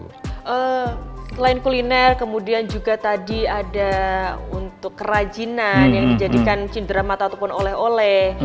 selain kuliner kemudian juga tadi ada untuk kerajinan yang dijadikan cindera mata ataupun oleh oleh